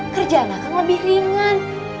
kerjaan akang lebih ringan